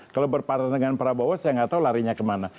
kalau berparta dengan prabowo saya nggak tahu larinya kemana